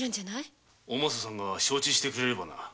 お政さんが承知してくれるならな。